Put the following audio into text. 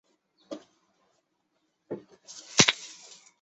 两个特许权系继承自卡尔顿电视。